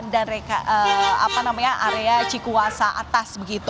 dan area cikuasa atas